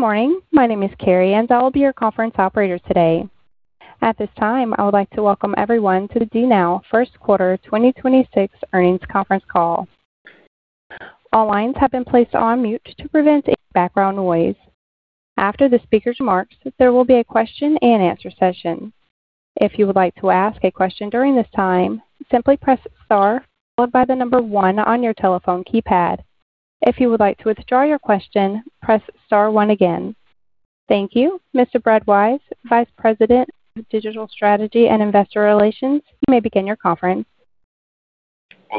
Good morning. My name is Carrie, and I will be your conference operator today. At this time, I would like to welcome everyone to the DNOW first quarter 2026 earnings conference call. All lines have been placed on mute to prevent any background noise. After the speaker's remarks, there will be a question-and-answer session. If you would like to ask a question during this time, simply press star followed by one on your telephone keypad. If you would like to withdraw your question, press star one again. Thank you. Mr. Brad Wise, Vice President of Digital Strategy and Investor Relations, you may begin your conference.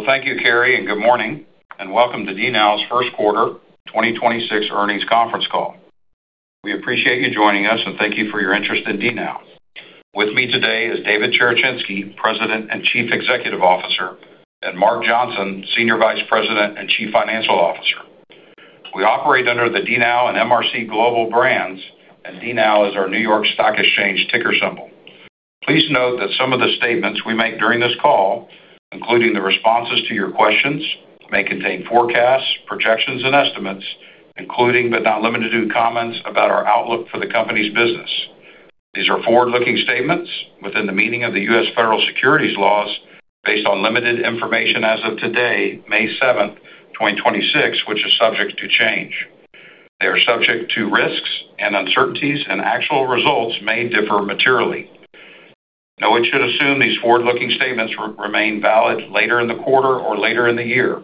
Thank you, Carrie, and good morning, and welcome to DNOW's first quarter 2026 earnings conference call. We appreciate you joining us, and thank you for your interest in DNOW. With me today is David Cherechinsky, President and Chief Executive Officer, and Mark Johnson, Senior Vice President and Chief Financial Officer. We operate under the DNOW and MRC Global brands, and DNOW is our New York Stock Exchange ticker symbol. Please note that some of the statements we make during this call, including the responses to your questions, may contain forecasts, projections, and estimates, including but not limited to comments about our outlook for the company's business. These are forward-looking statements within the meaning of the U.S. federal securities laws based on limited information as of today, May 7th, 2026, which is subject to change. They are subject to risks and uncertainties, and actual results may differ materially. No one should assume these forward-looking statements remain valid later in the quarter or later in the year.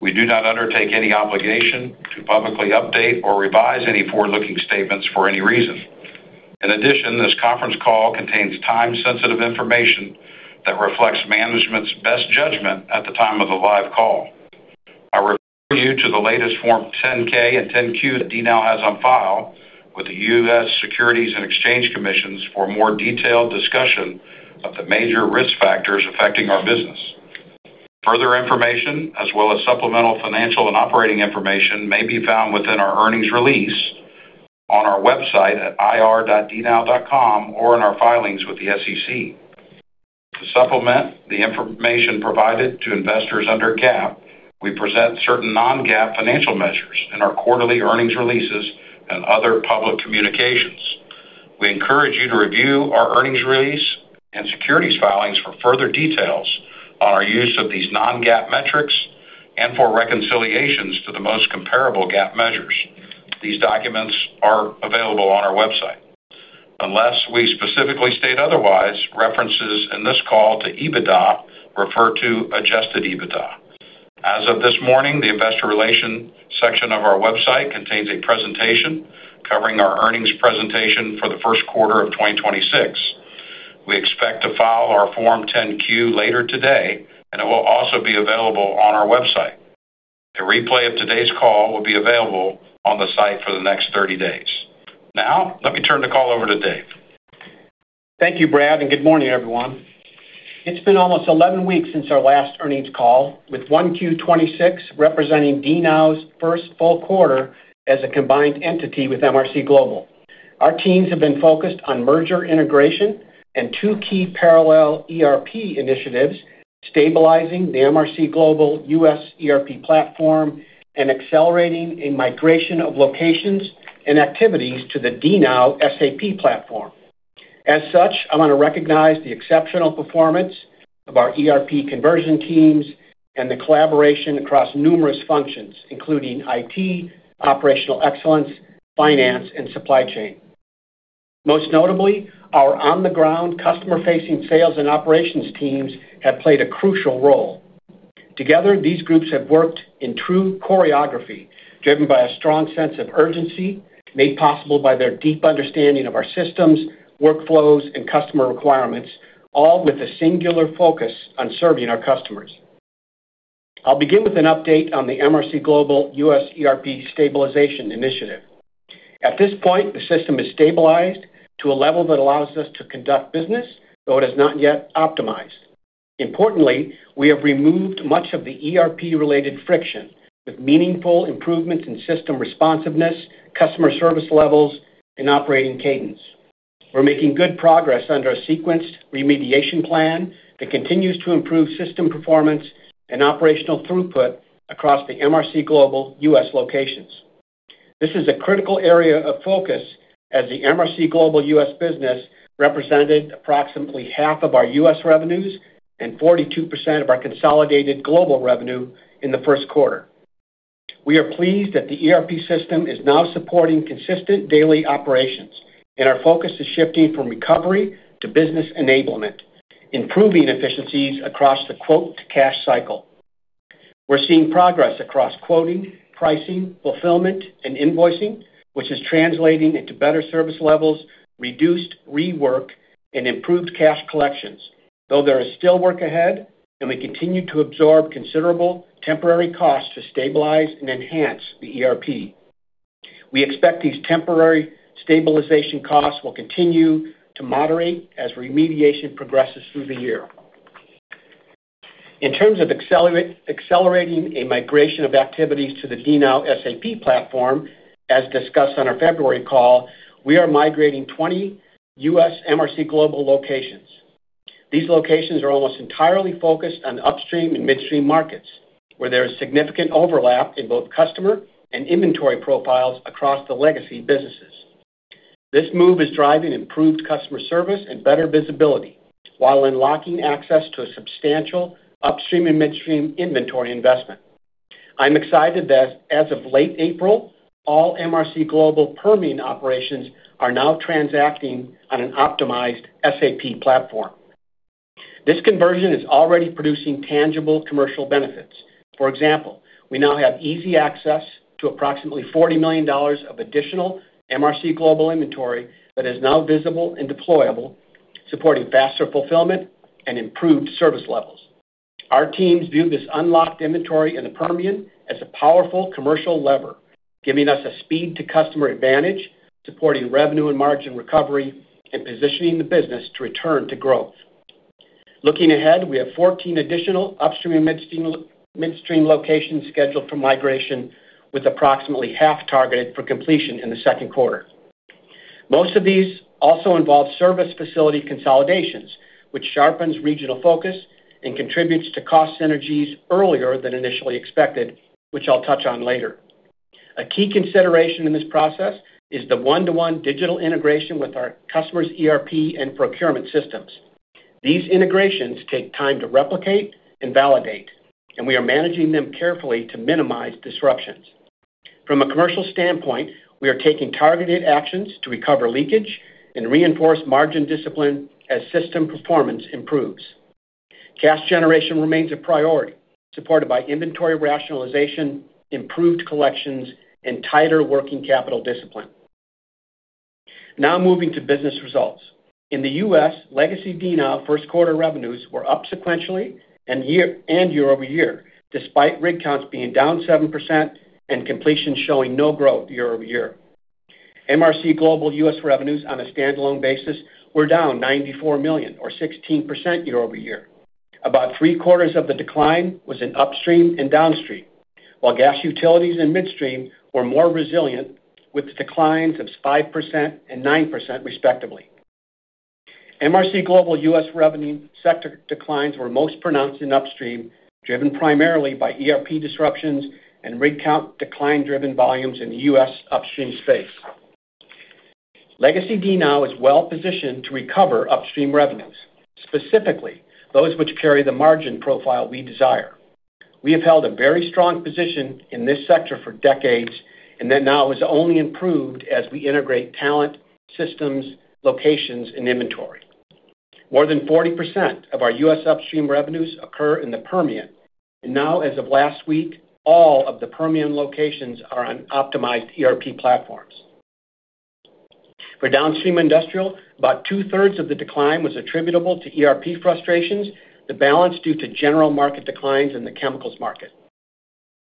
We do not undertake any obligation to publicly update or revise any forward-looking statements for any reason. In addition, this conference call contains time-sensitive information that reflects management's best judgment at the time of the live call. I refer you to the latest Form 10-K and Form 10-Q that DNOW has on file with the U.S. Securities and Exchange Commission for a more detailed discussion of the major risk factors affecting our business. Further information, as well as supplemental financial and operating information, may be found within our earnings release on our website at ir.dnow.com or in our filings with the SEC. To supplement the information provided to investors under GAAP, we present certain non-GAAP financial measures in our quarterly earnings releases and other public communications. We encourage you to review our earnings release and securities filings for further details on our use of these non-GAAP metrics and for reconciliations to the most comparable GAAP measures. These documents are available on our website. Unless we specifically state otherwise, references in this call to EBITDA refer to adjusted EBITDA. As of this morning, the investor relation section of our website contains a presentation covering our earnings presentation for the first quarter of 2026. We expect to file our Form 10-Q later today, and it will also be available on our website. A replay of today's call will be available on the site for the next 30 days. Now, let me turn the call over to Dave. Thank you, Brad, and good morning, everyone. It's been almost 11 weeks since our last earnings call, with 1Q 2026 representing DNOW's first full quarter as a combined entity with MRC Global. Our teams have been focused on merger integration and two key parallel ERP initiatives, stabilizing the MRC Global U.S. ERP platform and accelerating a migration of locations and activities to the DNOW SAP platform. I want to recognize the exceptional performance of our ERP conversion teams and the collaboration across numerous functions, including IT, operational excellence, finance, and supply chain. Most notably, our on-the-ground customer-facing sales and operations teams have played a crucial role. Together, these groups have worked in true choreography, driven by a strong sense of urgency made possible by their deep understanding of our systems, workflows, and customer requirements, all with a singular focus on serving our customers. I'll begin with an update on the MRC Global U.S. ERP stabilization initiative. At this point, the system is stabilized to a level that allows us to conduct business, though it is not yet optimized. Importantly, we have removed much of the ERP-related friction with meaningful improvements in system responsiveness, customer service levels, and operating cadence. We're making good progress under a sequenced remediation plan that continues to improve system performance and operational throughput across the MRC Global U.S. locations. This is a critical area of focus as the MRC Global U.S. business represented approximately half of our U.S. revenues and 42% of our consolidated global revenue in the first quarter. We are pleased that the ERP system is now supporting consistent daily operations, and our focus is shifting from recovery to business enablement, improving efficiencies across the quote-to-cash cycle. We're seeing progress across quoting, pricing, fulfillment, and invoicing, which is translating into better service levels, reduced rework, and improved cash collections, though there is still work ahead, and we continue to absorb considerable temporary costs to stabilize and enhance the ERP. We expect these temporary stabilization costs will continue to moderate as remediation progresses through the year. In terms of accelerating a migration of activities to the DNOW SAP platform, as discussed on our February call, we are migrating 20 U.S. MRC Global locations. These locations are almost entirely focused on upstream and midstream markets, where there is significant overlap in both customer and inventory profiles across the legacy businesses. This move is driving improved customer service and better visibility while unlocking access to a substantial upstream and midstream inventory investment. I'm excited that as of late April, all MRC Global Permian operations are now transacting on an optimized SAP platform. This conversion is already producing tangible commercial benefits. For example, we now have easy access to approximately $40 million of additional MRC Global inventory that is now visible and deployable, supporting faster fulfillment and improved service levels. Our teams view this unlocked inventory in the Permian as a powerful commercial lever, giving us a speed to customer advantage, supporting revenue and margin recovery, and positioning the business to return to growth. Looking ahead, we have 14 additional upstream and midstream locations scheduled for migration, with approximately half targeted for completion in the second quarter. Most of these also involve service facility consolidations, which sharpens regional focus and contributes to cost synergies earlier than initially expected, which I'll touch on later. A key consideration in this process is the one-to-one digital integration with our customer's ERP and procurement systems. These integrations take time to replicate and validate, and we are managing them carefully to minimize disruptions. From a commercial standpoint, we are taking targeted actions to recover leakage and reinforce margin discipline as system performance improves. Cash generation remains a priority, supported by inventory rationalization, improved collections, and tighter working capital discipline. Moving to business results. In the U.S., legacy DNOW first quarter revenues were up sequentially and year-over-year, despite rig counts being down 7% and completions showing no growth year-over-year. MRC Global U.S. revenues on a standalone basis were down $94 million or 16% year-over-year. About three-quarters of the decline was in upstream and downstream, while gas utilities and midstream were more resilient, with declines of 5% and 9% respectively. MRC Global U.S. revenue sector declines were most pronounced in upstream, driven primarily by ERP disruptions and rig count decline-driven volumes in the U.S. upstream space. Legacy DNOW is well-positioned to recover upstream revenues, specifically those which carry the margin profile we desire. We have held a very strong position in this sector for decades, and then now has only improved as we integrate talent, systems, locations, and inventory. More than 40% of our U.S. upstream revenues occur in the Permian. Now, as of last week, all of the Permian locations are on optimized ERP platforms. For downstream industrial, about 2/3 of the decline was attributable to ERP frustrations, the balance due to general market declines in the chemicals market.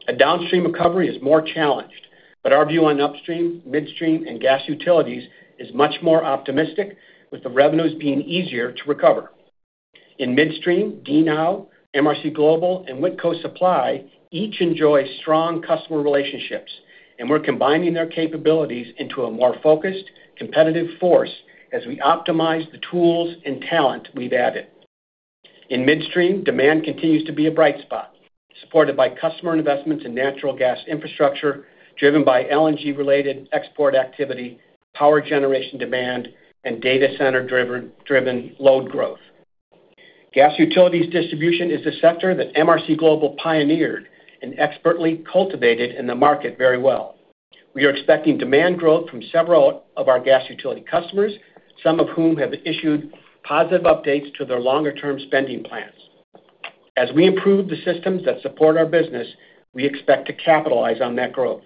A downstream recovery is more challenged. Our view on upstream, midstream, and gas utilities is much more optimistic with the revenues being easier to recover. In midstream, DNOW, MRC Global, and Whitco Supply each enjoy strong customer relationships, and we're combining their capabilities into a more focused competitive force as we optimize the tools and talent we've added. In midstream, demand continues to be a bright spot, supported by customer investments in natural gas infrastructure, driven by LNG-related export activity, power generation demand, and data center-driven load growth. Gas utilities distribution is the sector that MRC Global pioneered and expertly cultivated in the market very well. We are expecting demand growth from several of our gas utility customers, some of whom have issued positive updates to their longer-term spending plans. As we improve the systems that support our business, we expect to capitalize on that growth.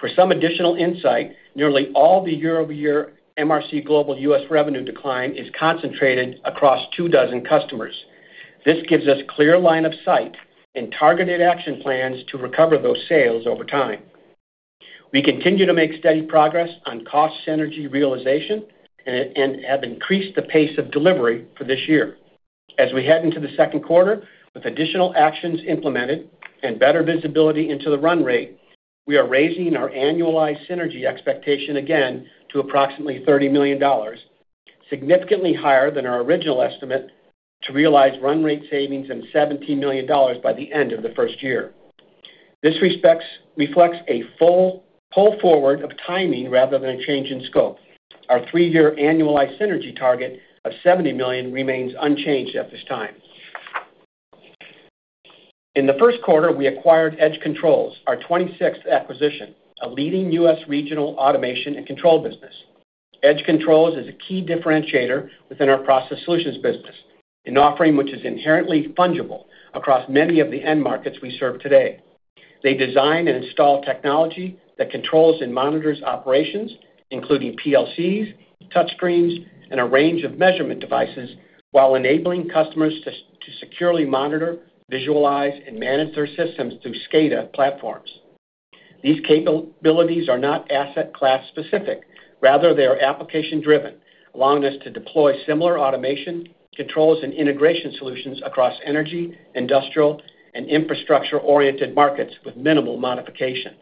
For some additional insight, nearly all the year-over-year MRC Global U.S. revenue decline is concentrated across two dozen customers. This gives us clear line of sight and targeted action plans to recover those sales over time. We continue to make steady progress on cost synergy realization and have increased the pace of delivery for this year. As we head into the second quarter with additional actions implemented and better visibility into the run rate, we are raising our annualized synergy expectation again to approximately $30 million, significantly higher than our original estimate to realize run rate savings and $17 million by the end of the first year. This reflects a full pull forward of timing rather than a change in scope. Our three-year annualized synergy target of $70 million remains unchanged at this time. In the first quarter, we acquired Edge Controls, our 26th acquisition, a leading U.S. regional automation and control business. Edge Controls is a key differentiator within our Process Solutions business, an offering which is inherently fungible across many of the end markets we serve today. They design and install technology that controls and monitors operations, including PLCs, touchscreens, and a range of measurement devices while enabling customers to securely monitor, visualize, and manage their systems through SCADA platforms. These capabilities are not asset class specific. Rather, they are application-driven, allowing us to deploy similar automation, controls, and integration solutions across energy, industrial, and infrastructure-oriented markets with minimal modifications.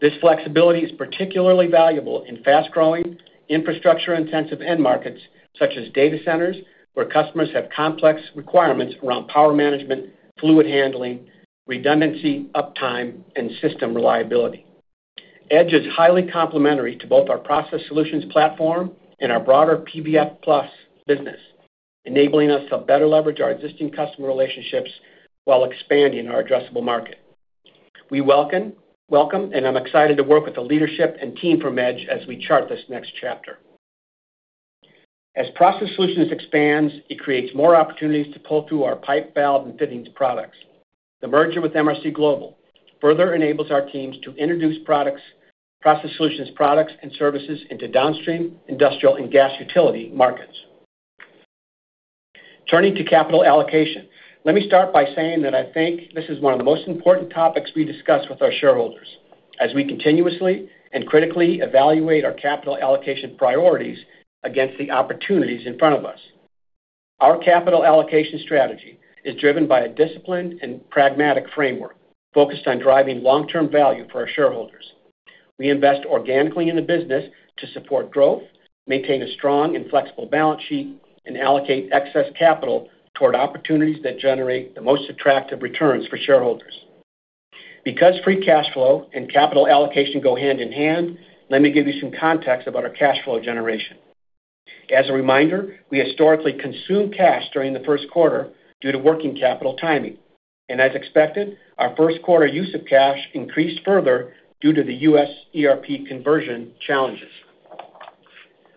This flexibility is particularly valuable in fast-growing infrastructure-intensive end markets, such as data centers, where customers have complex requirements around power management, fluid handling, redundancy, uptime, and system reliability. Edge is highly complementary to both our Process Solutions platform and our broader PVF Plus business, enabling us to better leverage our existing customer relationships while expanding our addressable market. We welcome, and I'm excited to work with the leadership and team from Edge as we chart this next chapter. As Process Solutions expands, it creates more opportunities to pull through our pipe, valve, and fittings products. The merger with MRC Global further enables our teams to introduce Process Solutions products and services into downstream industrial and gas utility markets. Turning to capital allocation, let me start by saying that I think this is one of the most important topics we discuss with our shareholders as we continuously and critically evaluate our capital allocation priorities against the opportunities in front of us. Our capital allocation strategy is driven by a disciplined and pragmatic framework focused on driving long-term value for our shareholders. We invest organically in the business to support growth, maintain a strong and flexible balance sheet, and allocate excess capital toward opportunities that generate the most attractive returns for shareholders. Because free cash flow and capital allocation go hand in hand, let me give you some context about our cash flow generation. As a reminder, we historically consume cash during the first quarter due to working capital timing. As expected, our first quarter use of cash increased further due to the U.S. ERP conversion challenges.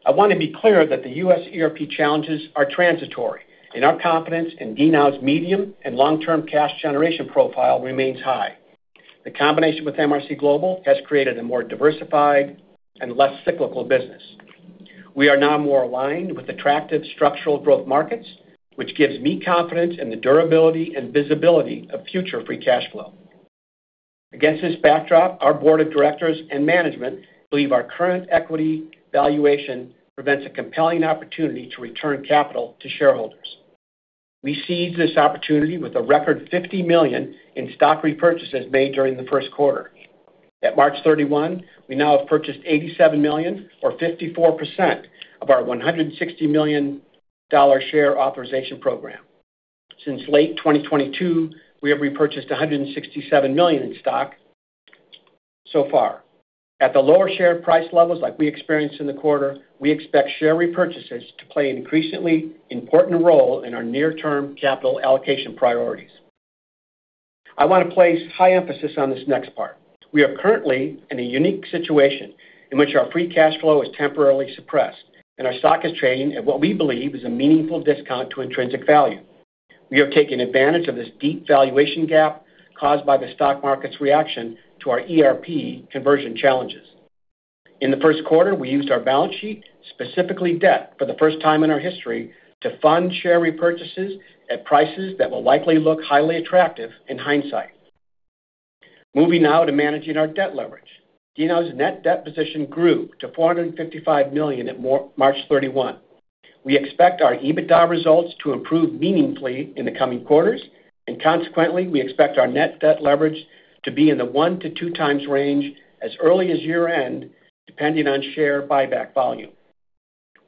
I want to be clear that the U.S. ERP challenges are transitory, and our confidence in DNOW's medium and long-term cash generation profile remains high. The combination with MRC Global has created a more diversified and less cyclical business. We are now more aligned with attractive structural growth markets, which gives me confidence in the durability and visibility of future free cash flow. Against this backdrop, our board of directors and management believe our current equity valuation presents a compelling opportunity to return capital to shareholders. We seized this opportunity with a record $50 million in stock repurchases made during the first quarter. At March 31, we now have purchased $87 million or 54% of our $160 million share authorization program. Since late 2022, we have repurchased $167 million in stock so far. At the lower share price levels like we experienced in the quarter, we expect share repurchases to play an increasingly important role in our near-term capital allocation priorities. I want to place high emphasis on this next part. We are currently in a unique situation in which our free cash flow is temporarily suppressed and our stock is trading at what we believe is a meaningful discount to intrinsic value. We have taken advantage of this deep valuation gap caused by the stock market's reaction to our ERP conversion challenges. In the first quarter, we used our balance sheet, specifically debt, for the first time in our history to fund share repurchases at prices that will likely look highly attractive in hindsight. Moving now to managing our debt leverage. DNOW's net debt position grew to $455 million at March 31. We expect our EBITDA results to improve meaningfully in the coming quarters, and consequently, we expect our net debt leverage to be in the 1-2x range as early as year-end, depending on share buyback volume.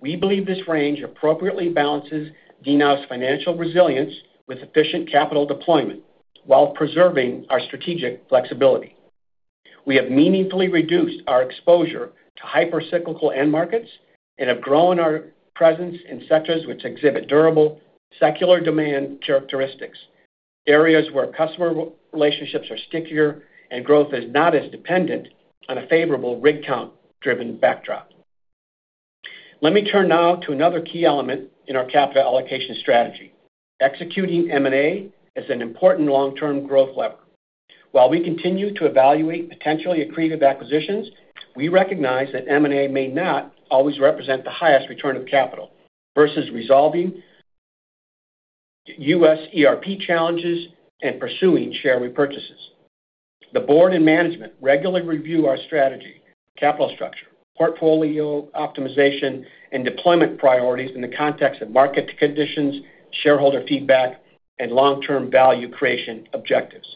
We believe this range appropriately balances DNOW's financial resilience with efficient capital deployment while preserving our strategic flexibility. We have meaningfully reduced our exposure to hyper-cyclical end markets and have grown our presence in sectors which exhibit durable, secular demand characteristics, areas where customer re-relationships are stickier and growth is not as dependent on a favorable rig count-driven backdrop. Let me turn now to another key element in our capital allocation strategy. Executing M&A is an important long-term growth lever. While we continue to evaluate potentially accretive acquisitions, we recognize that M&A may not always represent the highest return of capital versus resolving U.S. ERP challenges and pursuing share repurchases. The board and management regularly review our strategy, capital structure, portfolio optimization, and deployment priorities in the context of market conditions, shareholder feedback, and long-term value creation objectives.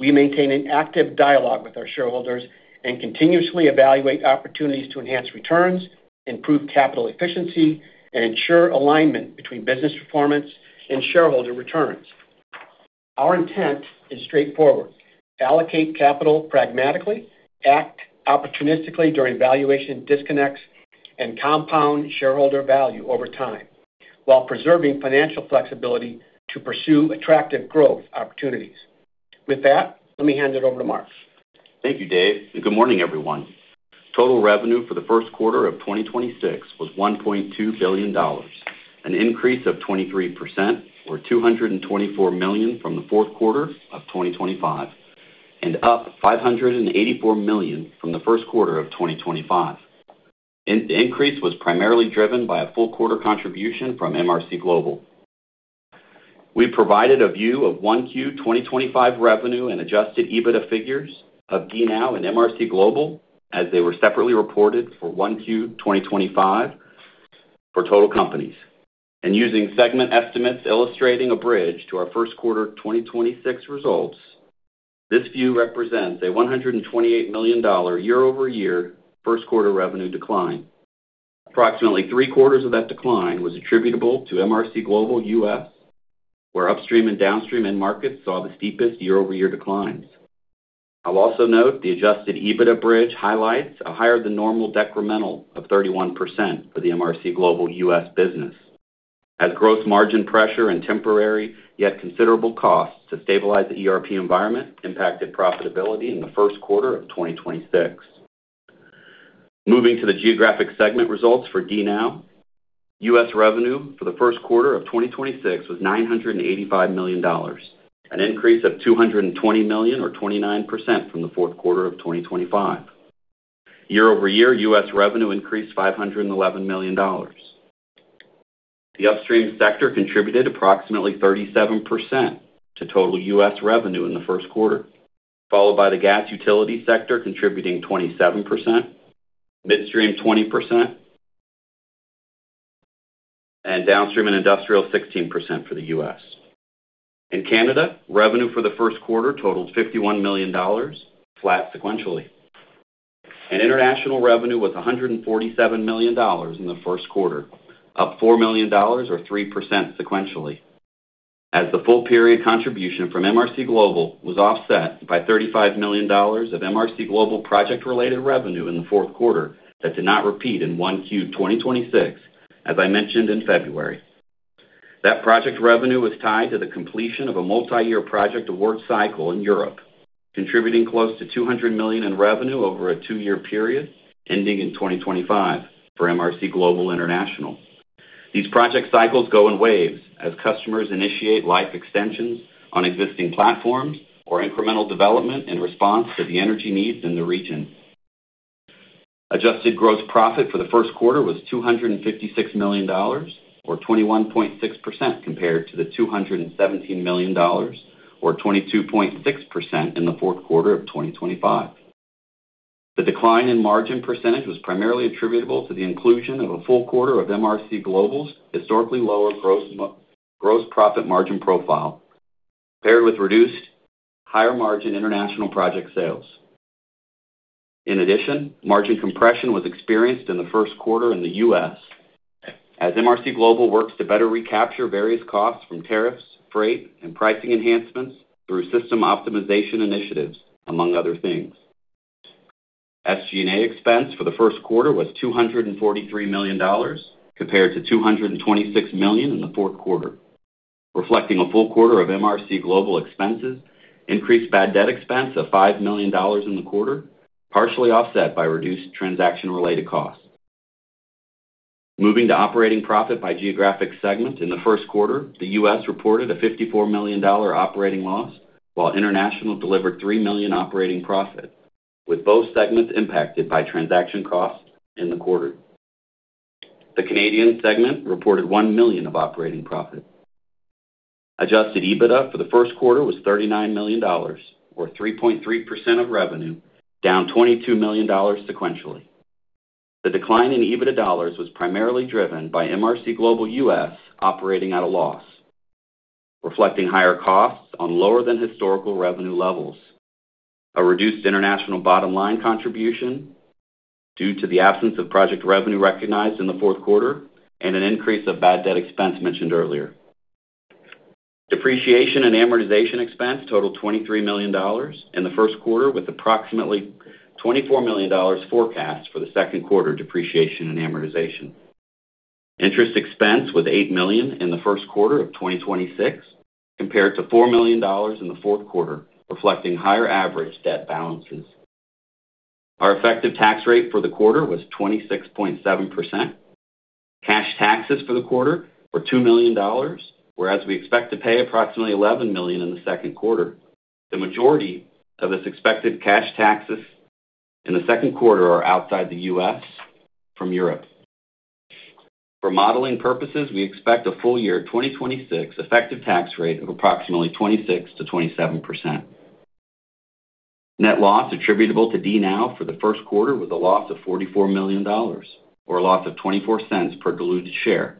We maintain an active dialogue with our shareholders and continuously evaluate opportunities to enhance returns, improve capital efficiency, and ensure alignment between business performance and shareholder returns. Our intent is straightforward: allocate capital pragmatically, act opportunistically during valuation disconnects, and compound shareholder value over time while preserving financial flexibility to pursue attractive growth opportunities. With that, let me hand it over to Mark. Thank you, Dave, and good morning, everyone. Total revenue for the first quarter of 2026 was $1.2 billion, an increase of 23% or $224 million from the fourth quarter of 2025 and up $584 million from the first quarter of 2025. Increase was primarily driven by a full quarter contribution from MRC Global. We provided a view of 1Q 2025 revenue and adjusted EBITDA figures of DNOW and MRC Global as they were separately reported for 1Q 2025. For total companies and using segment estimates illustrating a bridge to our first quarter 2026 results, this view represents a $128 million year-over-year first quarter revenue decline. Approximately three-quarters of that decline was attributable to MRC Global U.S., where upstream and downstream end markets saw the steepest year-over-year declines. I'll also note the adjusted EBITDA bridge highlights a higher than normal decremental of 31% for the MRC Global U.S. business as gross margin pressure and temporary, yet considerable costs to stabilize the ERP environment impacted profitability in the first quarter of 2026. Moving to the geographic segment results for DNOW. U.S. revenue for the first quarter of 2026 was $985 million, an increase of $220 million or 29% from the fourth quarter of 2025. year-over-year, U.S. revenue increased $511 million. The upstream sector contributed approximately 37% to total U.S. revenue in the first quarter, followed by the gas utility sector contributing 27%, midstream 20%, and downstream and industrial 16% for the U.S. In Canada, revenue for the first quarter totaled $51 million, flat sequentially. International revenue was $147 million in the first quarter, up $4 million or 3% sequentially. As the full period contribution from MRC Global was offset by $35 million of MRC Global project-related revenue in the fourth quarter that did not repeat in 1Q 2026, as I mentioned in February. That project revenue was tied to the completion of a multiyear project award cycle in Europe, contributing close to $200 million in revenue over a two-year period ending in 2025 for MRC Global International. These project cycles go in waves as customers initiate life extensions on existing platforms or incremental development in response to the energy needs in the region. Adjusted gross profit for the first quarter was $256 million, or 21.6% compared to the $217 million or 22.6% in the fourth quarter of 2025. The decline in margin percentage was primarily attributable to the inclusion of a full quarter of MRC Global's historically lower gross profit margin profile, paired with reduced higher margin international project sales. In addition, margin compression was experienced in the first quarter in the U.S. as MRC Global works to better recapture various costs from tariffs, freight, and pricing enhancements through system optimization initiatives, among other things. SG&A expense for the first quarter was $243 million compared to $226 million in the fourth quarter, reflecting a full quarter of MRC Global expenses, increased bad debt expense of $5 million in the quarter, partially offset by reduced transaction-related costs. Moving to operating profit by geographic segment. In the first quarter, the U.S. reported a $54 million operating loss, while international delivered $3 million operating profit, with both segments impacted by transaction costs in the quarter. The Canadian segment reported $1 million of operating profit. Adjusted EBITDA for the first quarter was $39 million, or 3.3% of revenue, down $22 million sequentially. The decline in EBITDA dollars was primarily driven by MRC Global U.S. operating at a loss, reflecting higher costs on lower than historical revenue levels. A reduced international bottom line contribution due to the absence of project revenue recognized in the fourth quarter and an increase of bad debt expense mentioned earlier. Depreciation and amortization expense totaled $23 million in the first quarter, with approximately $24 million forecast for the second quarter depreciation and amortization. Interest expense was $8 million in the first quarter of 2026 compared to $4 million in the fourth quarter, reflecting higher average debt balances. Our effective tax rate for the quarter was 26.7%. Cash taxes for the quarter were $2 million, whereas we expect to pay approximately $11 million in the second quarter. The majority of this expected cash taxes in the second quarter are outside the U.S. from Europe. For modeling purposes, we expect a full year 2026 effective tax rate of approximately 26%-27%. Net loss attributable to DNOW for the first quarter was a loss of $44 million or a loss of $0.24 per diluted share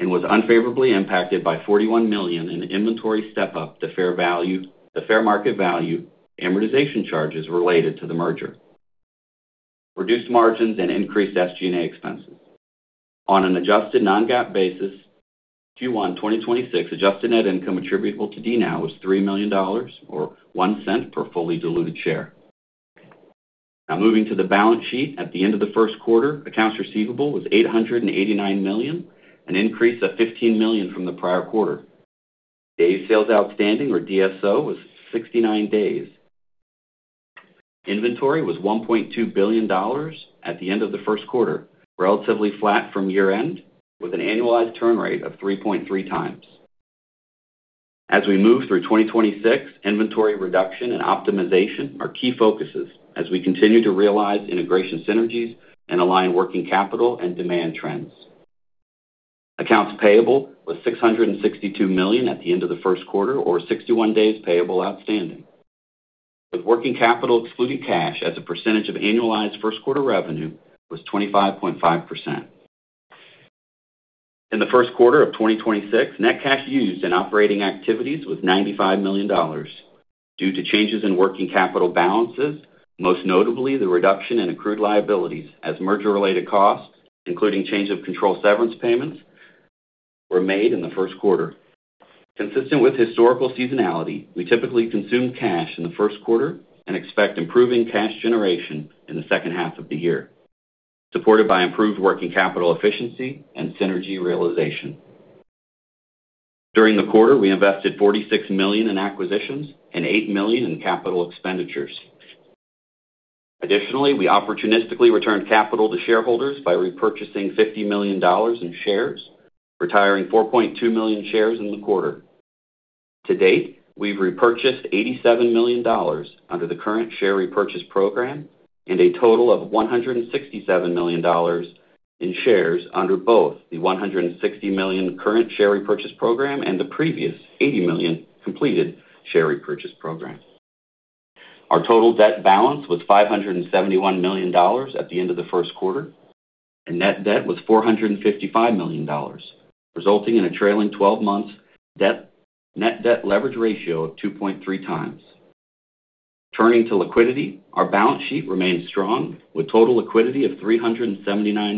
and was unfavorably impacted by $41 million in inventory step-up to the fair market value amortization charges related to the merger, reduced margins and increased SG&A expenses. On an adjusted non-GAAP basis, Q1 2026 adjusted net income attributable to DNOW was $3 million, or $0.01 per fully diluted share. Moving to the balance sheet, at the end of the first quarter, accounts receivable was $889 million, an increase of $15 million from the prior quarter. Days sales outstanding or DSO was 69 days. Inventory was $1.2 billion at the end of the first quarter, relatively flat from year-end with an annualized turn rate of 3.3x. As we move through 2026, inventory reduction and optimization are key focuses as we continue to realize integration synergies and align working capital and demand trends. Accounts payable was $662 million at the end of the first quarter or 61 days payable outstanding. With working capital excluding cash as a percentage of annualized first quarter revenue was 25.5%. In the first quarter of 2026, net cash used in operating activities was $95 million due to changes in working capital balances, most notably the reduction in accrued liabilities as merger-related costs, including change of control severance payments, were made in the first quarter. Consistent with historical seasonality, we typically consume cash in the first quarter and expect improving cash generation in the second half of the year, supported by improved working capital efficiency and synergy realization. During the quarter, we invested $46 million in acquisitions and $8 million in capital expenditures. Additionally, we opportunistically returned capital to shareholders by repurchasing $50 million in shares, retiring 4.2 million shares in the quarter. To date, we've repurchased $87 million under the current share repurchase program and a total of $167 million in shares under both the $160 million current share repurchase program and the previous $80 million completed share repurchase program. Our total debt balance was $571 million at the end of the first quarter, and net debt was $455 million, resulting in a trailing 12-month net debt leverage ratio of 2.3x. Turning to liquidity, our balance sheet remains strong with total liquidity of $379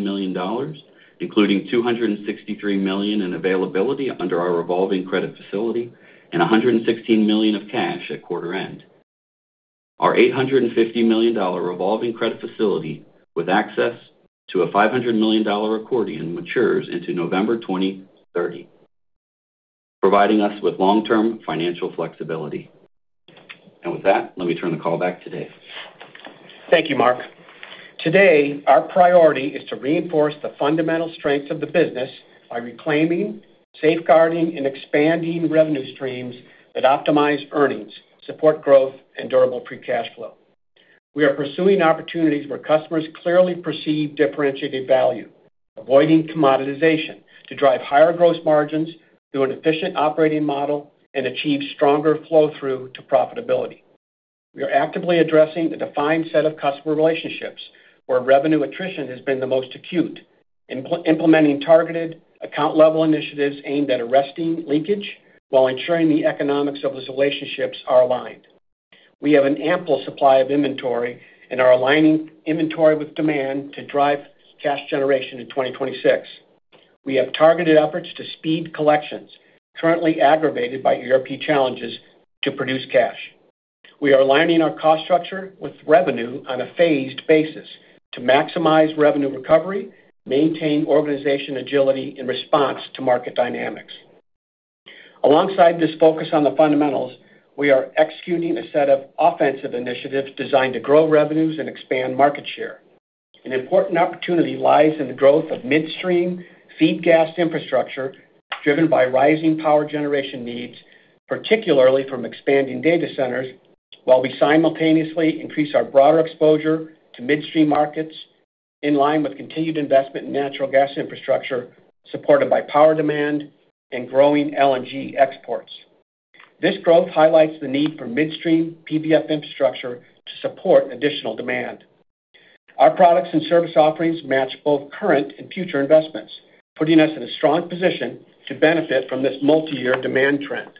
million, including $263 million in availability under our revolving credit facility and $116 million of cash at quarter end. Our $850 million revolving credit facility with access to a $500 million accordion matures into November 2030, providing us with long-term financial flexibility. With that, let me turn the call back to Dave. Thank you, Mark. Today, our priority is to reinforce the fundamental strengths of the business by reclaiming, safeguarding, and expanding revenue streams that optimize earnings, support growth, and durable free cash flow. We are pursuing opportunities where customers clearly perceive differentiated value, avoiding commoditization to drive higher gross margins through an efficient operating model and achieve stronger flow-through to profitability. We are actively addressing the defined set of customer relationships where revenue attrition has been the most acute, implementing targeted account-level initiatives aimed at arresting leakage while ensuring the economics of those relationships are aligned. We have an ample supply of inventory and are aligning inventory with demand to drive cash generation in 2026. We have targeted efforts to speed collections currently aggravated by ERP challenges to produce cash. We are aligning our cost structure with revenue on a phased basis to maximize revenue recovery, maintain organization agility in response to market dynamics. Alongside this focus on the fundamentals, we are executing a set of offensive initiatives designed to grow revenues and expand market share. An important opportunity lies in the growth of midstream feed gas infrastructure driven by rising power generation needs, particularly from expanding data centers, while we simultaneously increase our broader exposure to midstream markets in line with continued investment in natural gas infrastructure, supported by power demand and growing LNG exports. This growth highlights the need for midstream PVF infrastructure to support additional demand. Our products and service offerings match both current and future investments, putting us in a strong position to benefit from this multiyear demand trend.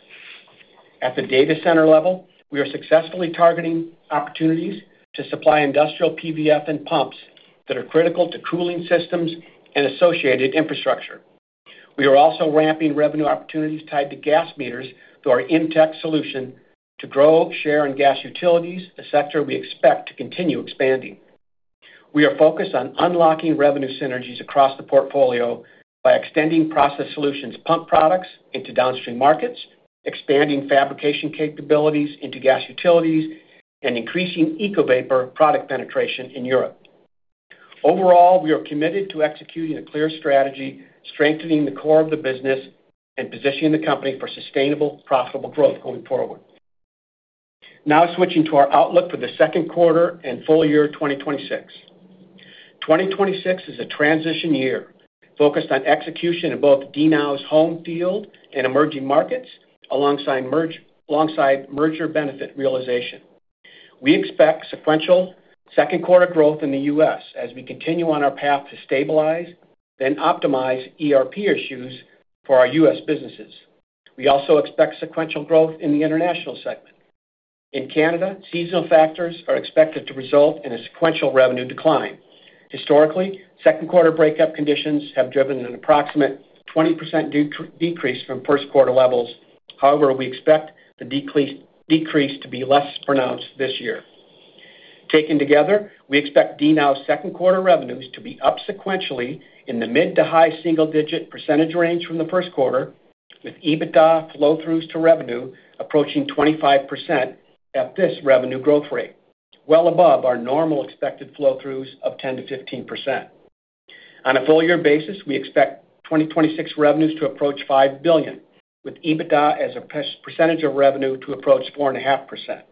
At the data center level, we are successfully targeting opportunities to supply industrial PVF and pumps that are critical to cooling systems and associated infrastructure. We are also ramping revenue opportunities tied to gas meters through our MTech solution to grow share in gas utilities, a sector we expect to continue expanding. We are focused on unlocking revenue synergies across the portfolio by extending Process Solutions pump products into downstream markets, expanding fabrication capabilities into gas utilities, and increasing EcoVapor product penetration in Europe. Overall, we are committed to executing a clear strategy, strengthening the core of the business, and positioning the company for sustainable, profitable growth going forward. Now, switching to our outlook for the second quarter and full year 2026. 2026 is a transition year focused on execution in both DNOW's home field and emerging markets, alongside merger benefit realization. We expect sequential second quarter growth in the U.S. as we continue on our path to stabilize then optimize ERP issues for our U.S. businesses. We also expect sequential growth in the international segment. In Canada, seasonal factors are expected to result in a sequential revenue decline. Historically, second quarter breakup conditions have driven an approximate 20% decrease from first quarter levels. However, we expect the decrease to be less pronounced this year. Taken together, we expect DNOW's second quarter revenues to be up sequentially in the mid to high single-digit percentage range from the first quarter, with EBITDA flow-throughs to revenue approaching 25% at this revenue growth rate, well above our normal expected flow-throughs of 10%-15%. On a full year basis, we expect 2026 revenues to approach $5 billion, with EBITDA as a percentage of revenue to approach 4.5%.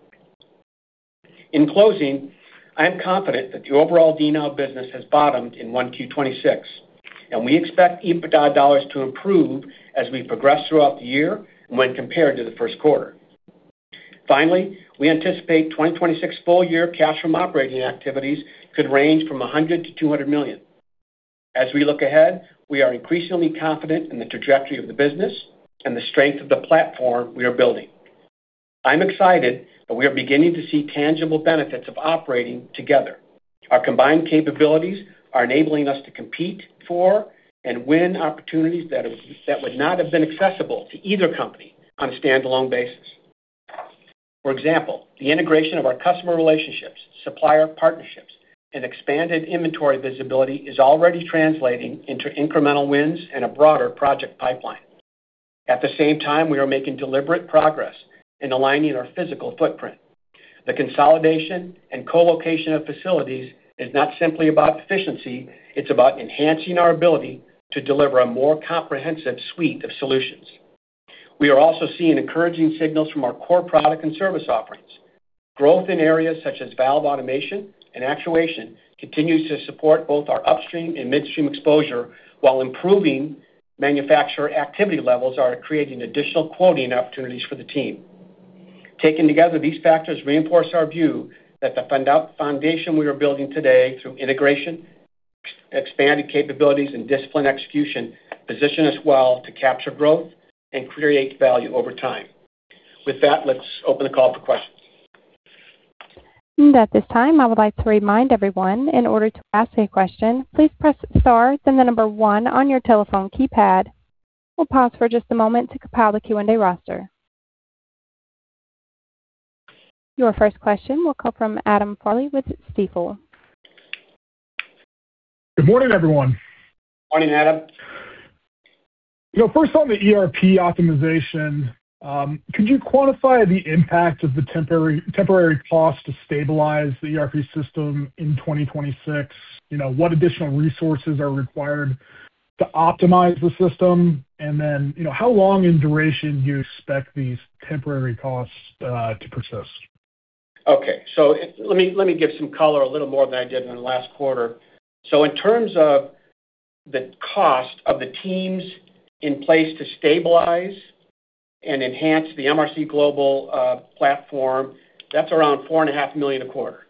In closing, I am confident that the overall DNOW business has bottomed in 1Q 2026. We expect EBITDA dollars to improve as we progress throughout the year when compared to the first quarter. Finally, we anticipate 2026 full year cash from operating activities could range from $100 million-$200 million. As we look ahead, we are increasingly confident in the trajectory of the business and the strength of the platform we are building. I'm excited that we are beginning to see tangible benefits of operating together. Our combined capabilities are enabling us to compete for and win opportunities that would not have been accessible to either company on a standalone basis. For example, the integration of our customer relationships, supplier partnerships, and expanded inventory visibility is already translating into incremental wins and a broader project pipeline. At the same time, we are making deliberate progress in aligning our physical footprint. The consolidation and co-location of facilities is not simply about efficiency, it's about enhancing our ability to deliver a more comprehensive suite of solutions. We are also seeing encouraging signals from our core product and service offerings. Growth in areas such as valve automation and actuation continues to support both our upstream and midstream exposure while improving manufacturer activity levels are creating additional quoting opportunities for the team. Taken together, these factors reinforce our view that the foundation we are building today through integration, expanded capabilities, and disciplined execution position us well to capture growth and create value over time. With that, let's open the call for questions. At this time, I would like to remind everyone in order to ask a question, please press star, then the number one on your telephone keypad. We'll pause for just a moment to compile the Q&A roster. Your first question will come from Adam Farley with Stifel. Good morning, everyone. Morning, Adam. You know, first on the ERP optimization, could you quantify the impact of the temporary cost to stabilize the ERP system in 2026? You know, what additional resources are required to optimize the system? You know, how long in duration do you expect these temporary costs to persist? Okay. Let me give some color a little more than I did in the last quarter. In terms of the cost of the teams in place to stabilize and enhance the MRC Global platform, that's around $4.5 million a quarter.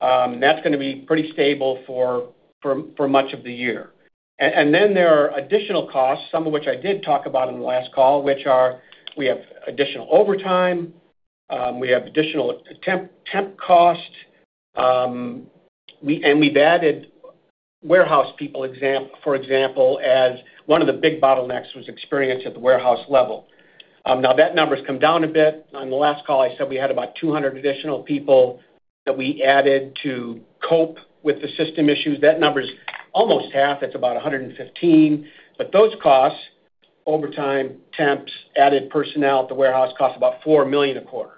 That's gonna be pretty stable for much of the year. There are additional costs, some of which I did talk about in the last call, which are we have additional overtime, we have additional temp cost, and we've added warehouse people for example, as one of the big bottlenecks was experienced at the warehouse level. Now that number has come down a bit. On the last call, I said we had about 200 additional people that we added to cope with the system issues. That number is almost half. It's about 115. Those costs, overtime, temps, added personnel at the warehouse cost about $4 million a quarter.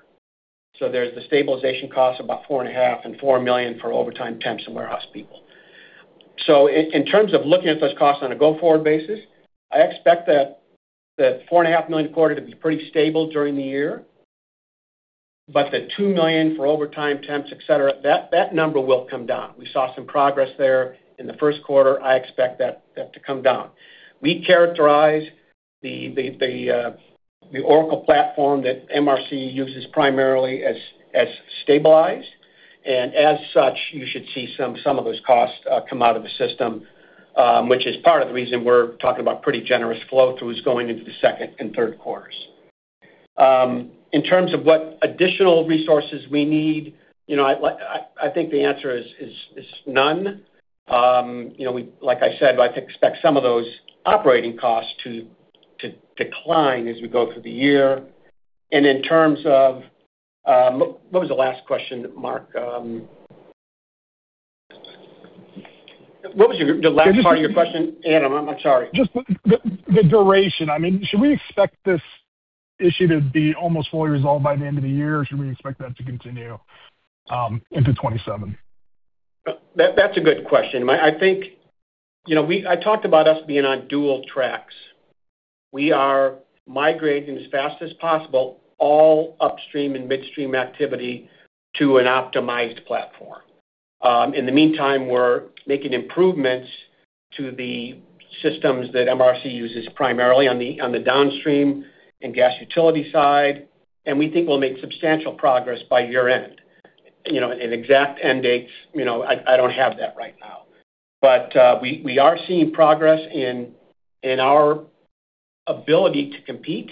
There's the stabilization cost about $4.5 million and $4 million for overtime, temps, and warehouse people. In terms of looking at those costs on a go-forward basis, I expect that $4.5 million a quarter to be pretty stable during the year. But the $2 million for overtime, temps, et cetera, that number will come down. We saw some progress there in the first quarter. I expect that to come down. We characterize the Oracle platform that MRC uses primarily as stabilized. As such, you should see some of those costs come out of the system, which is part of the reason we're talking about pretty generous flow through is going into the second and third quarters. In terms of what additional resources we need, you know, I think the answer is none. You know, like I said, I expect some of those operating costs to decline as we go through the year. In terms of, what was the last question, Mark? What was the last part of your question, Adam? I'm sorry. Just the duration. I mean, should we expect this issue to be almost fully resolved by the end of the year? Should we expect that to continue into 2027? That's a good question. I think, you know, I talked about us being on dual tracks. We are migrating as fast as possible all upstream and midstream activity to an optimized platform. In the meantime, we're making improvements to the systems that MRC uses primarily on the downstream and gas utility side, and we think we'll make substantial progress by year-end. You know, an exact end date, you know, I don't have that right now. We are seeing progress in our ability to compete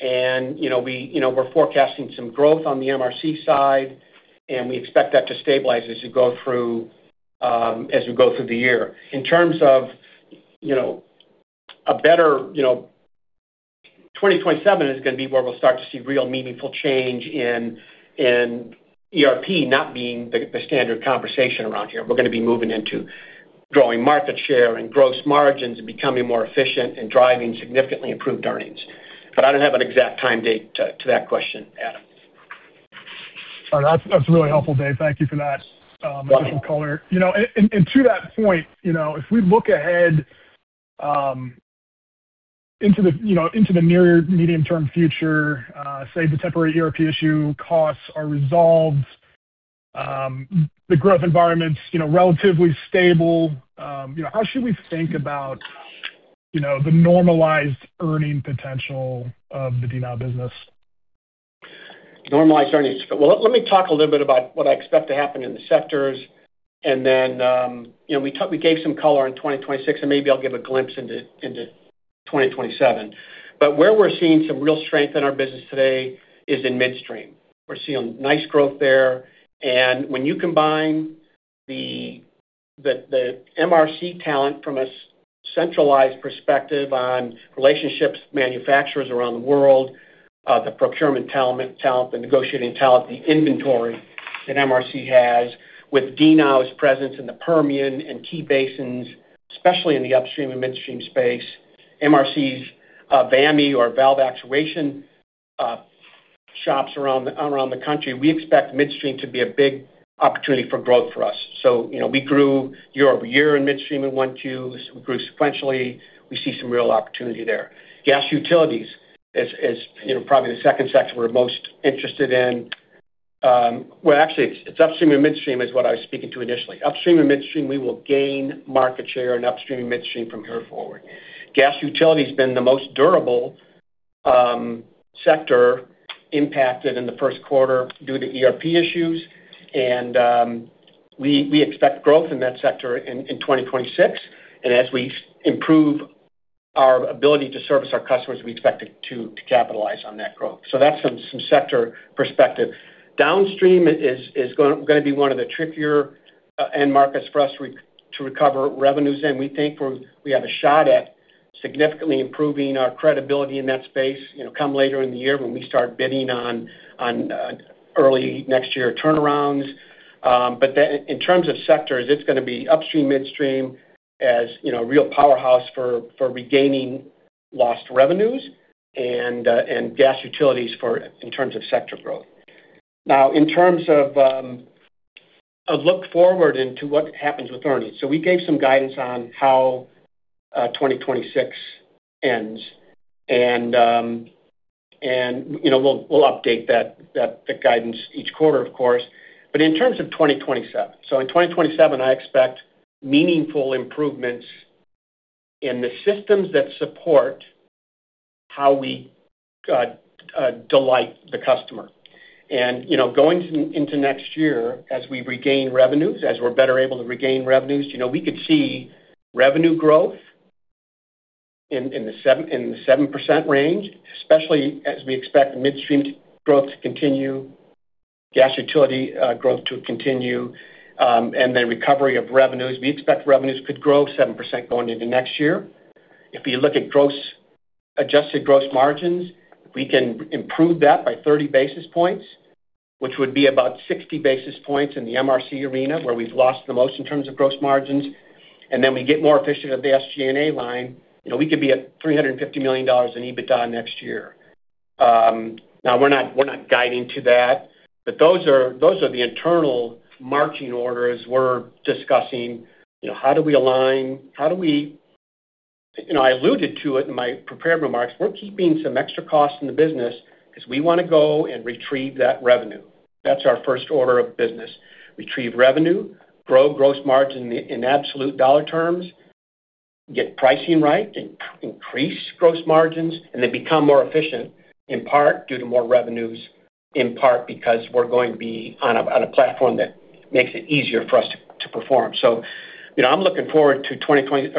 and, you know, we, you know, we're forecasting some growth on the MRC side, and we expect that to stabilize as you go through as we go through the year. In terms of, you know, a better, you know 2027 is gonna be where we'll start to see real meaningful change in ERP not being the standard conversation around here. We're gonna be moving into growing market share and gross margins and becoming more efficient and driving significantly improved earnings. I don't have an exact time date to that question, Adam. That's really helpful, Dave. Thank you for that. You're welcome. Additional color. You know, and to that point, you know, if we look ahead, into the, you know, into the near medium-term future, say the temporary ERP issue costs are resolved, the growth environment's, you know, relatively stable. You know, how should we think about, you know, the normalized earning potential of the DNOW business? Normalized earnings. Let me talk a little bit about what I expect to happen in the sectors and then, you know, we gave some color in 2026, and maybe I'll give a glimpse into 2027. Where we're seeing some real strength in our business today is in midstream. We're seeing nice growth there. When you combine the MRC talent from a centralized perspective on relationships, manufacturers around the world, the procurement talent, the negotiating talent, the inventory that MRC has with DNOW's presence in the Permian and DJ basins, especially in the upstream and midstream space, MRC's VAMI or valve actuation shops around the country, we expect midstream to be a big opportunity for growth for us. You know, we grew year-over-year in midstream in 1Q. We grew sequentially. We see some real opportunity there. Gas utilities is, you know, probably the second sector we're most interested in. Well, actually it's upstream and midstream is what I was speaking to initially. Upstream and midstream, we will gain market share in upstream and midstream from here forward. Gas utility has been the most durable sector impacted in the first quarter due to ERP issues. We expect growth in that sector in 2026. As we improve our ability to service our customers, we expect it to capitalize on that growth. That's some sector perspective. Downstream is gonna be one of the trickier end markets for us to recover revenues in. We think we have a shot at significantly improving our credibility in that space, you know, come later in the year when we start bidding on early next year turnarounds. In terms of sectors, it's gonna be upstream, midstream, as, you know, a real powerhouse for regaining lost revenues and gas utilities in terms of sector growth. In terms of a look forward into what happens with earnings. We gave some guidance on how 2026 ends. You know, we'll update that guidance each quarter of course. In terms of 2027. In 2027, I expect meaningful improvements in the systems that support how we delight the customer. You know, going into next year as we regain revenues, as we're better able to regain revenues, you know, we could see revenue growth in the 7% range, especially as we expect midstream growth to continue, gas utility growth to continue, and then recovery of revenues. We expect revenues could grow 7% going into next year. If you look at adjusted gross margins, we can improve that by 30 basis points, which would be about 60 basis points in the MRC arena, where we've lost the most in terms of gross margins. Then we get more efficient at the SG&A line. You know, we could be at $350 million in EBITDA next year. Now we're not guiding to that, but those are the internal marching orders we're discussing. You know, how do we align? You know, I alluded to it in my prepared remarks. We're keeping some extra costs in the business because we wanna go and retrieve that revenue. That's our first order of business. Retrieve revenue, grow gross margin in absolute dollar terms, get pricing right, increase gross margins, and then become more efficient, in part due to more revenues, in part because we're going to be on a platform that makes it easier for us to perform. You know, I'm looking forward to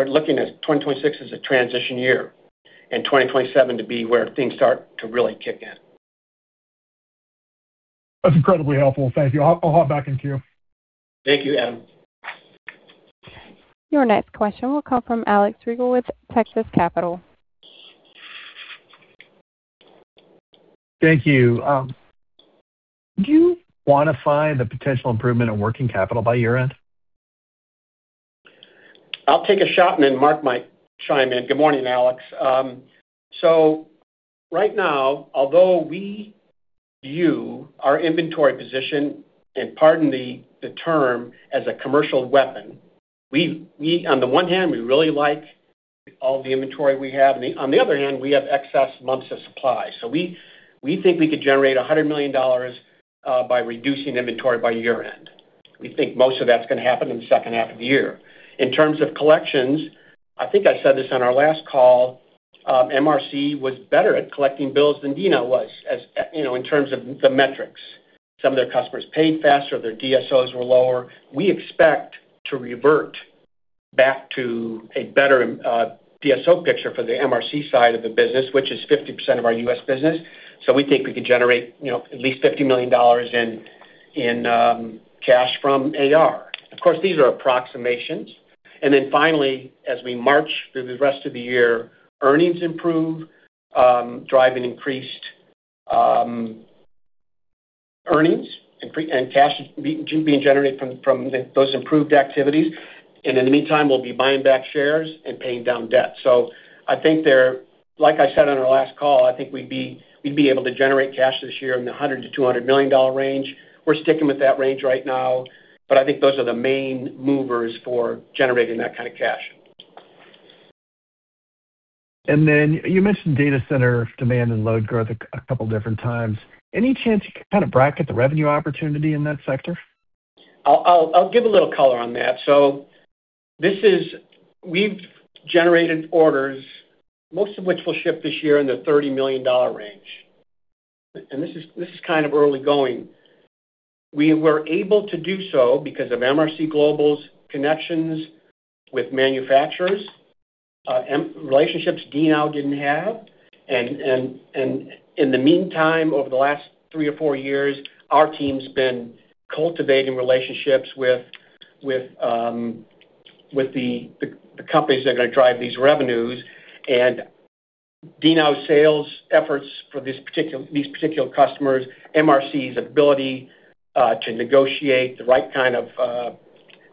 looking at 2026 as a transition year and 2027 to be where things start to really kick in. That's incredibly helpful. Thank you. I'll hop back in queue. Thank you, Adam. Your next question will come from Alex Rygiel with Texas Capital. Thank you. Do you quantify the potential improvement in working capital by year-end? I'll take a shot and then Mark might chime in. Good morning, Alex. Right now, although we view our inventory position, and pardon the term, as a commercial weapon, we on the one hand, we really like all the inventory we have. On the other hand, we have excess months of supply. We think we could generate $100 million by reducing inventory by year-end. We think most of that's gonna happen in the second half of the year. In terms of collections, I think I said this on our last call, MRC was better at collecting bills than DNOW was as, you know, in terms of the metrics. Some of their customers paid faster, their DSOs were lower. We expect to revert back to a better DSO picture for the MRC side of the business, which is 50% of our U.S. business. We think we could generate, you know, at least $50 million in cash from AR. Of course, these are approximations. Finally, as we march through the rest of the year, earnings improve, driving increased earnings and cash being generated from those improved activities. In the meantime, we'll be buying back shares and paying down debt. Like I said on our last call, I think we'd be able to generate cash this year in the $100 million-$200 million range. We're sticking with that range right now, I think those are the main movers for generating that kind of cash. You mentioned data center demand and load growth a couple different times. Any chance you can kind of bracket the revenue opportunity in that sector? I'll give a little color on that. We've generated orders, most of which will ship this year in the $30 million range. This is kind of early going. We were able to do so because of MRC Global's connections with manufacturers, relationships DNOW didn't have. In the meantime, over the last three or four years, our team's been cultivating relationships with the companies that are gonna drive these revenues. DNOW's sales efforts for these particular customers, MRC's ability to negotiate the right kind of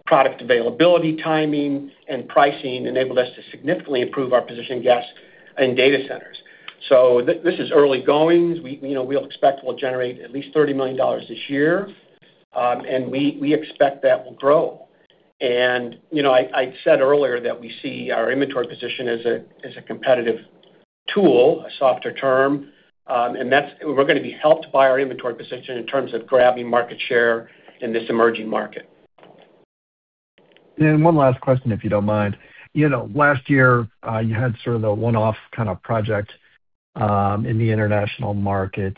product availability, timing, and pricing enabled us to significantly improve our position, yes, in data centers. This is early goings. We, you know, we expect we'll generate at least $30 million this year. We expect that will grow. You know, I said earlier that we see our inventory position as a, as a competitive tool, a softer term, That's we're gonna be helped by our inventory position in terms of grabbing market share in this emerging market. One last question, if you don't mind. You know, last year, you had sort of the one-off kind of project in the international market.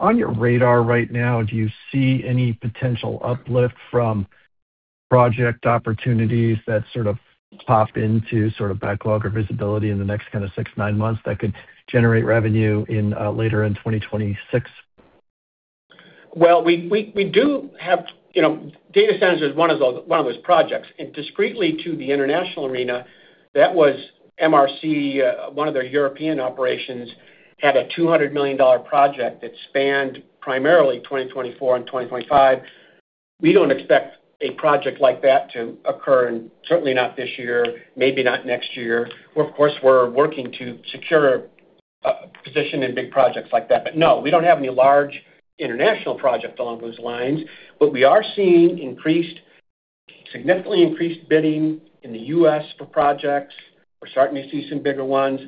On your radar right now, do you see any potential uplift from project opportunities that sort of pop into sort of backlog or visibility in the next kinda six, nine months that could generate revenue later in 2026? Well, we do have, you know, data centers is one of those projects. Discretely to the international arena, that was MRC, one of their European operations had a $200 million project that spanned primarily 2024 and 2025. We don't expect a project like that to occur, and certainly not this year, maybe not next year. We're of course, we're working to secure a position in big projects like that. No, we don't have any large international project along those lines. We are seeing increased, significantly increased bidding in the U.S. for projects. We're starting to see some bigger ones.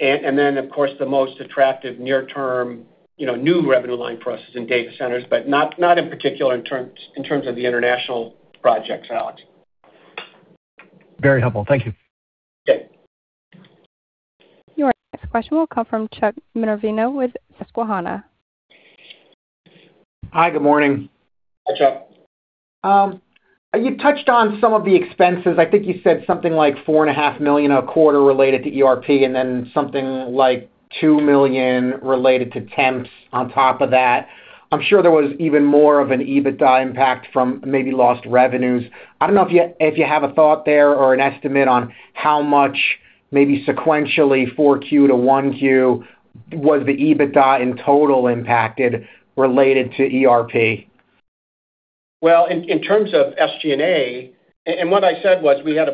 Of course, the most attractive near term, you know, new revenue line for us is in data centers, but not in particular in terms of the international projects, Alex. Very helpful. Thank you. Okay. Your next question will come from Chuck Minervino with Susquehanna. Hi, good morning. Hi, Chuck. You touched on some of the expenses. I think you said something like $4.5 million a quarter related to ERP and then something like $2 million related to temps on top of that. I'm sure there was even more of an EBITDA impact from maybe lost revenues. I don't know if you have a thought there or an estimate on how much maybe sequentially 4Q to 1Q was the EBITDA in total impacted related to ERP. Well, in terms of SG&A, and what I said was we have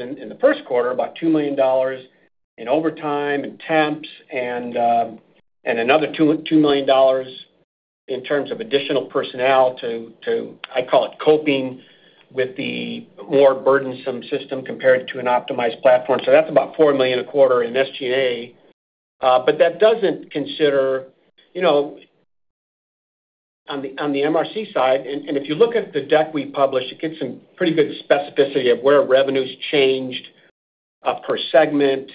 in the first quarter, about $2 million in overtime and temps and another $2 million in terms of additional personnel to I call it coping with the more burdensome system compared to an optimized platform. That's about $4 million a quarter in SG&A. That doesn't consider, you know, on the MRC side, and if you look at the deck we published, it gives some pretty good specificity of where revenue's changed per segment.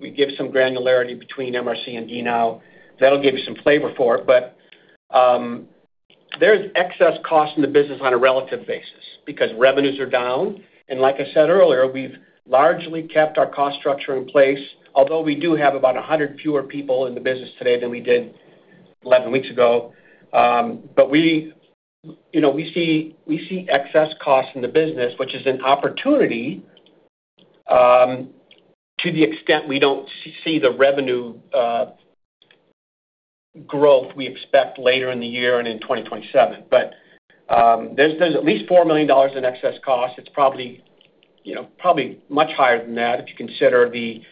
We give some granularity between MRC and DNOW. That'll give you some flavor for it. There's excess cost in the business on a relative basis because revenues are down. Like I said earlier, we've largely kept our cost structure in place, although we do have about 100 fewer people in the business today than we did 11 weeks ago. We, you know, we see excess cost in the business, which is an opportunity, to the extent we don't see the revenue growth we expect later in the year and in 2027. There's at least $4 million in excess cost. It's probably, you know, probably much higher than that if you consider the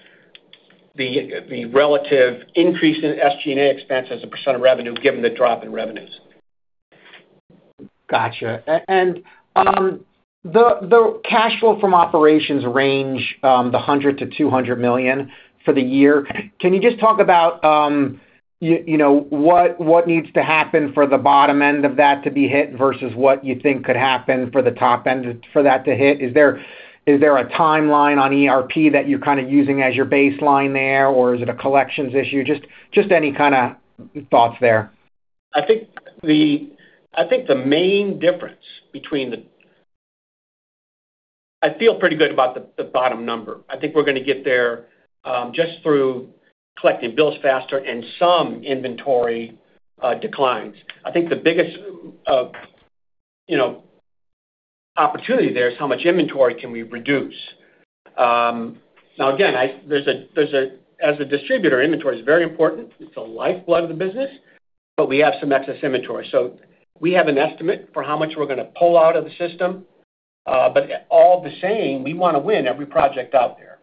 relative increase in SG&A expense as a percent of revenue given the drop in revenues. Gotcha. The cash flow from operations range, $100 million-$200 million for the year. Can you just talk about, you know, what needs to happen for the bottom end of that to be hit versus what you think could happen for the top end for that to hit? Is there a timeline on ERP that you're kind of using as your baseline there, or is it a collections issue? Just any kind of thoughts there. I feel pretty good about the bottom number. I think we're gonna get there just through collecting bills faster and some inventory declines. I think the biggest, you know, opportunity there is how much inventory can we reduce. Now again, as a distributor, inventory is very important. It's the lifeblood of the business. We have some excess inventory. We have an estimate for how much we're gonna pull out of the system. All the same, we wanna win every project out there.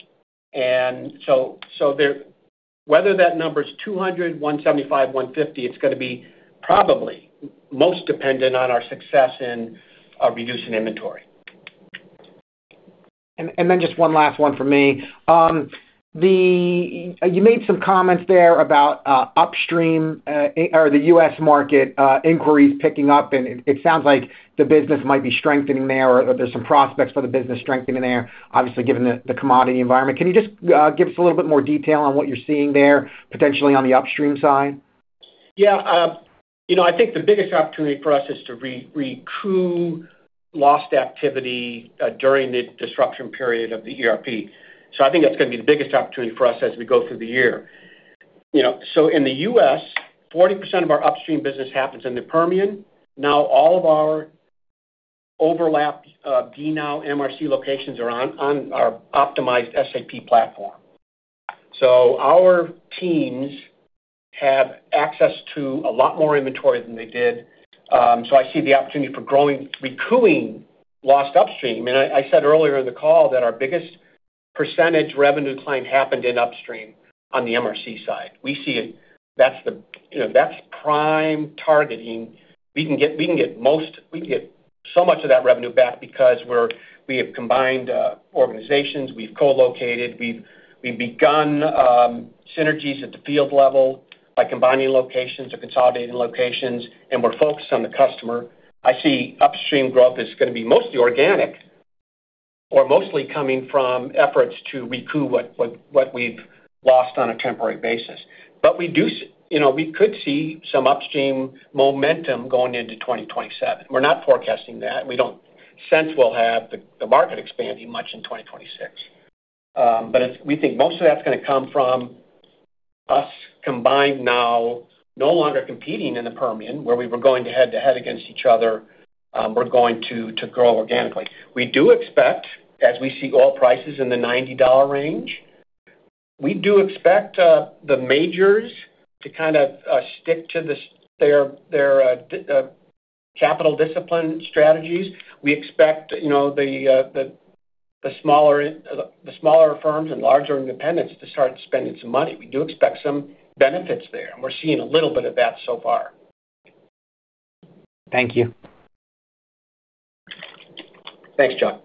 Whether that number is $200 million, $175 million, $150 million, it's gonna be probably most dependent on our success in reducing inventory. Then just one last one for me. You made some comments there about upstream or the U.S. market inquiries picking up, it sounds like the business might be strengthening there or that there's some prospects for the business strengthening there, obviously, given the commodity environment. Can you just give us a little bit more detail on what you're seeing there potentially on the upstream side? Yeah. You know, I think the biggest opportunity for us is to recoup lost activity during the disruption period of the ERP. I think that's gonna be the biggest opportunity for us as we go through the year. You know, in the U.S., 40% of our upstream business happens in the Permian. Now, all of our overlap DNOW MRC locations are on our optimized SAP platform. Our teams have access to a lot more inventory than they did, I see the opportunity for growing, recouping lost upstream. I said earlier in the call that our biggest percentage revenue decline happened in upstream on the MRC side. We see it. That's the, you know, that's prime targeting. We can get so much of that revenue back because we have combined organizations, we've co-located, we've begun synergies at the field level by combining locations or consolidating locations, we're focused on the customer. I see upstream growth is going to be mostly organic or mostly coming from efforts to recoup what we've lost on a temporary basis. You know, we could see some upstream momentum going into 2027. We're not forecasting that. We don't sense we'll have the market expanding much in 2026. We think most of that's going to come from us combined now no longer competing in the Permian, where we were going head-to-head against each other, we're going to grow organically. We do expect, as we see oil prices in the $90 range, we do expect the majors to kind of stick to their capital discipline strategies. We expect, you know, the smaller firms and larger independents to start spending some money. We do expect some benefits there, and we're seeing a little bit of that so far. Thank you. Thanks, Chuck.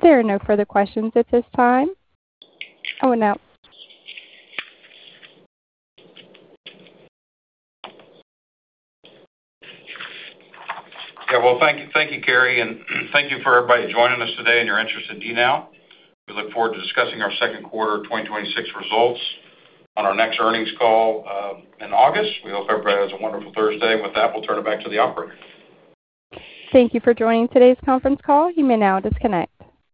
There are no further questions at this time. Well, thank you. Thank you, Carrie, and thank you for everybody joining us today and your interest in DNOW. We look forward to discussing our second quarter 2026 results on our next earnings call in August. We hope everybody has a wonderful Thursday. With that, we'll turn it back to the operator. Thank you for joining today's conference call. You may now disconnect.